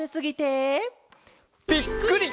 ぴっくり！